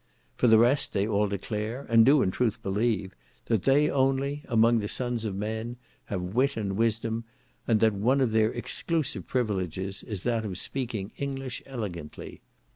For the rest, they all declare, and do in truth believe, that they only, among the sons of men, have wit and wisdom, and that one of their exclusive privileges is that of speaking English elegantly.